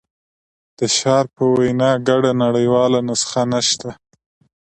د شارپ په وینا ګډه نړیواله نسخه نشته.